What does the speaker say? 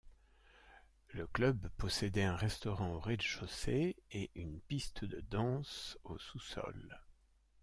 Le club possédait un restaurant au rez-de-chaussée et une piste de danse au sous-sol.